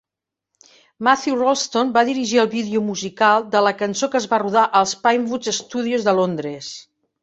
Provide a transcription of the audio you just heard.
Matthew Rolston va dirigir el vídeo musical de la cançó, que es va rodar als Pinewood Studios de Londres.